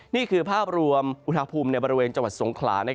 นี่คือภาพรวมอุณหภูมิในบริเวณจังหวัดสงขลา